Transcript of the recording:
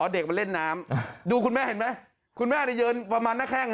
เด็กมันเล่นน้ำดูคุณแม่เห็นไหมคุณแม่ยืนประมาณหน้าแข้ง